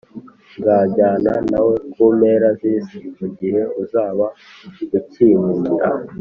nzajyana nawe ku mpera z’isi mu gihe uzaba uki nkunda